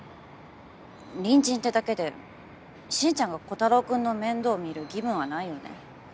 隣人ってだけで進ちゃんがコタローくんの面倒を見る義務はないよね。